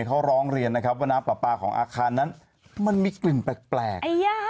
เขาร้องเรียนนะครับว่าน้ำปลาปลาของอาคารนั้นมันมีกลิ่นแปลก